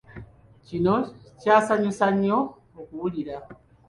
Kino kyasanyusa nnyo okuwulira.